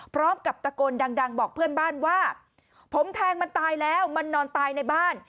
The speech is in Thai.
พร้อมกับตะโกนดังบอกเพื่อนบ้านว่าผมแทงมันตายแล้วมันนอนตายในบ้าน